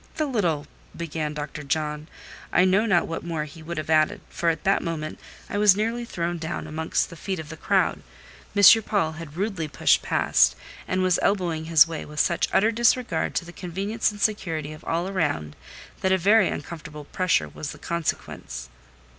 "The little—" began Dr. John: I know not what more he would have added, for at that moment I was nearly thrown down amongst the feet of the crowd. M. Paul had rudely pushed past, and was elbowing his way with such utter disregard to the convenience and security of all around, that a very uncomfortable pressure was the consequence.